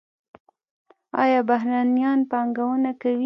آیا بهرنیان پانګونه کوي؟